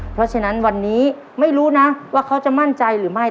เพราะฉะนั้นวันนี้ไม่รู้นะว่าเขาจะมั่นใจหรือไม่